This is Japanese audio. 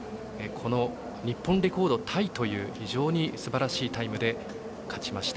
この日本レコードタイという非常にすばらしいタイムで勝ちました。